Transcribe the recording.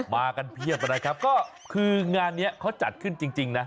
มากันเพียบนะครับก็คืองานนี้เขาจัดขึ้นจริงนะ